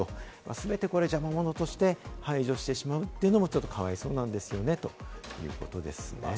全て邪魔者として排除してしまうのもかわいそうなんですよねということです。